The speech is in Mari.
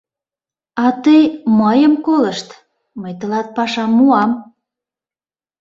— А тый мыйым колышт, мый тылат пашам муам.